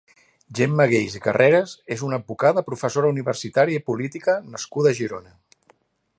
Gemma Geis i Carreras és una advocada, professora universitària i política nascuda a Girona.